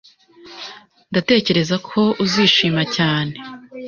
Ndatekereza ko uzishima cyane.